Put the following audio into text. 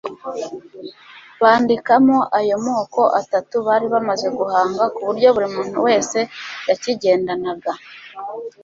bandikamo ayo moko atatu bari bamaze guhanga ku buryo buri muntu wese yakigendanaga